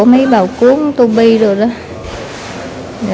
máy bào cuốn tô bi rồi đó